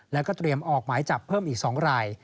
แล้วก็เตรียมออกหมายจับเพิ่มอีก๒ราย